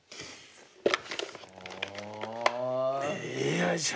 よいしょ。